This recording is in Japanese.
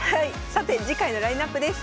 さて次回のラインナップです。